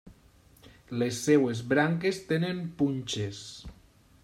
Les seves branques tenen punxes.